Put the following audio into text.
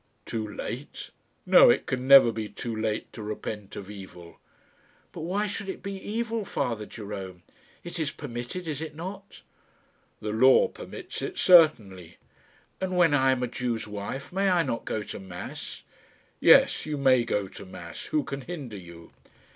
"Too late! No; it can never be too late to repent of evil." "But why should it be evil, Father Jerome? It is permitted; is it not?" "The law permits it, certainly." "And when I am a Jew's wife, may I not go to mass?" "Yes; you may go to mass. Who can hinder you?"